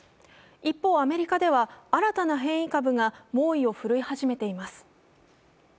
一方、アメリカでは新たな変異株が猛威を振るい始めています。